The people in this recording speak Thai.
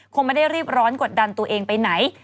คงไม่ได้รีบร้อนกดดันตัวเองไปไหน